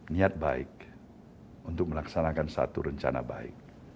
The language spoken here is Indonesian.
niat baik untuk melaksanakan satu rencana baik